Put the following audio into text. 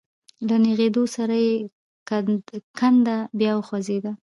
له نېغېدو سره يې کنده بيا وخوځېده.